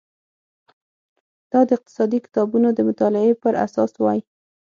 دا د اقتصادي کتابونو د مطالعې پر اساس وای.